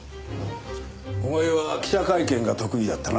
お前は記者会見が得意だったな。